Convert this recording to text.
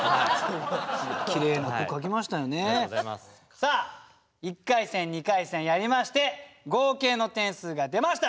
さあ一回戦二回戦やりまして合計の点数が出ました。